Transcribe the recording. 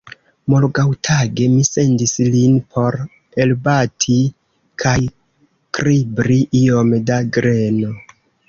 Morgaŭtage mi sendis lin por elbati kaj kribri iom da greno.